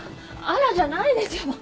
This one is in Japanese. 「あら」じゃないですよもう。